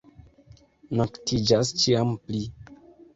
Noktiĝas ĉiam pli.